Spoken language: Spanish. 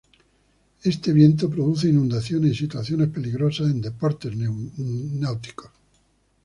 Este viento produce inundaciones y situaciones peligrosas en deportes náuticos.